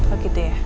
oh gitu ya